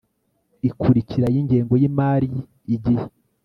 ikurikira y ingengo y imari igihe